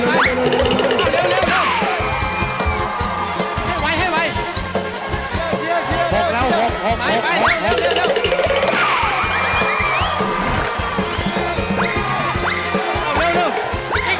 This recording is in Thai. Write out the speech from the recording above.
เร็วกว่านี้ไวได้กว่านี้